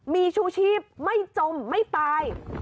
มีชูชีพไม่จมไม่ตาย